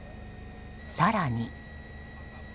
更に。